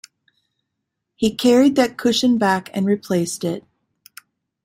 He carried that cushion back and replaced it.